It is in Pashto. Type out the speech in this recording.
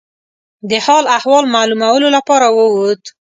د حال احوال معلومولو لپاره ووت.